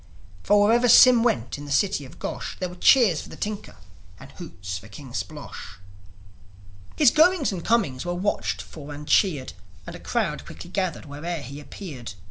For, wherever Sym went in the city of Gosh, There were cheers for the tinker, and hoots for King Splosh. His goings and comings were watched for and cheered; And a crowd quickly gathered where'er he appeared.